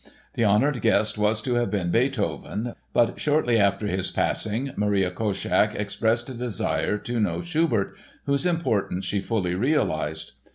The honored guest was to have been Beethoven but shortly after his passing Marie Koschak expressed a desire to know Schubert, whose importance she fully realized.